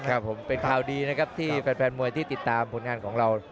ครับผมเป็นข่าวดีนะครับที่แฟนมวยที่ติดตามผลงานของเรา